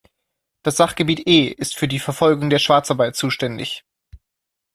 Das Sachgebiet E ist für die Verfolgung der Schwarzarbeit zuständig.